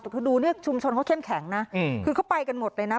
แต่คือดูเนี่ยชุมชนเขาเข้มแข็งนะคือเขาไปกันหมดเลยนะ